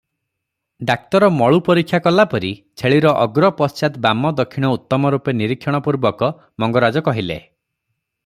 "ଡାକ୍ତର ମଳୁ ପରୀକ୍ଷା କଲାପରି ଛେଳିର ଅଗ୍ର ପଶ୍ଚାତ ବାମ ଦକ୍ଷିଣ ଉତ୍ତମରୂପେ ନିରୀକ୍ଷଣପୁର୍ବକ ମଙ୍ଗରାଜ କହିଲେ।